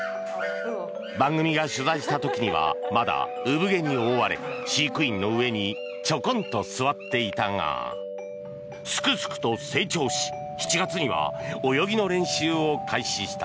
番組が取材した時にはまだ産毛に覆われ飼育員の上にちょこんと座っていたがすくすくと成長し７月には泳ぎの練習を開始した。